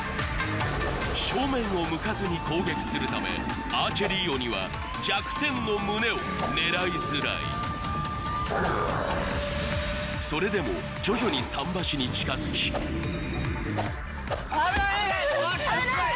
正面を向かずに攻撃するためアーチェリー鬼は弱点の胸を狙いづらいそれでも徐々に桟橋に近づき危ない！